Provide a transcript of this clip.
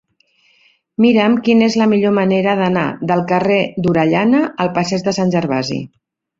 Mira'm quina és la millor manera d'anar del carrer d'Orellana al passeig de Sant Gervasi.